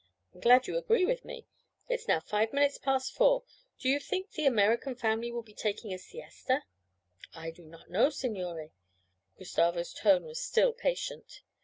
'I'm glad you agree with me. It is now five minutes past four; do you think the American family would be taking a siesta?' 'I do not know, signore.' Gustavo's tone was still patient.